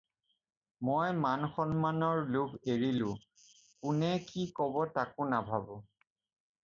মই মান-সন্মানৰ লোভ এৰিলোঁ, কোনে কি ক'ব তাকো নাভাবোঁ।